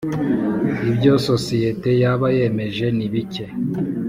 Ibyo isosiyete yabayemeje nibike.